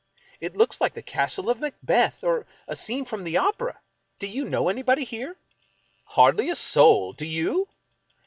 It looks like the castle of Macbeth, or a scene from the opera. Do you know anybody here ?"" Hardly a soul ! Do you?